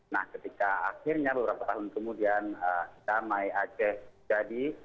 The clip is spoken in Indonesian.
nah ketika akhirnya beberapa tahun kemudian damai aceh jadi